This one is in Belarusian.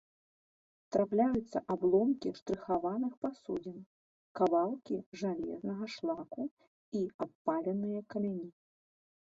Трапляюцца абломкі штрыхаваных пасудзін, кавалкі жалезнага шлаку і абпаленыя камяні.